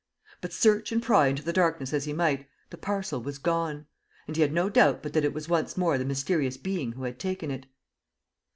But, search and pry into the darkness as he might, the parcel was gone; and he had no doubt but that it was once more the mysterious being who had taken it.